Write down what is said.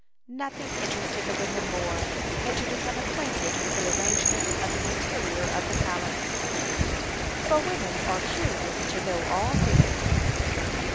(28) Nothing interested the women more than to become acquainted with the arrangement of the interior of the palace, "for women are curious to know all things."